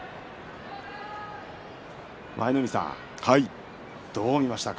舞の海さん、どう見ましたか。